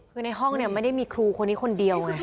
คือในห้องเนี่ยไม่ได้มีครูคนนี้คนเดียวไง